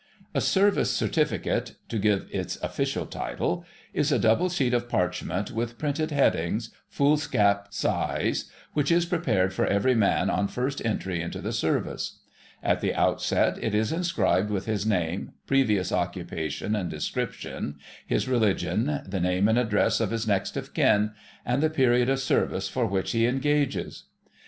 A Service Certificate—to give its official title—is a double sheet of parchment with printed headings, foolscap size, which is prepared for every man on first entry into the Service. At the outset it is inscribed with his name, previous occupation and description, his religion, the name and address of his next of kin, and the period of service for which he engages.